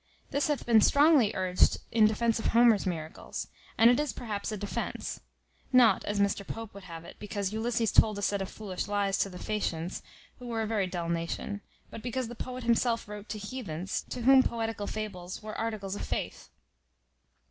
This hath been strongly urged in defence of Homer's miracles; and it is perhaps a defence; not, as Mr Pope would have it, because Ulysses told a set of foolish lies to the Phaeacians, who were a very dull nation; but because the poet himself wrote to heathens, to whom poetical fables were articles of faith.